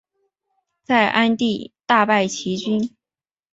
在鞍地大败齐军。